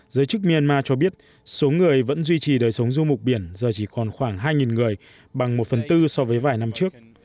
giới chức myanmar cho biết số người vẫn duy trì đời sống du mục biển giờ chỉ còn khoảng hai người bằng một phần tư so với vài năm trước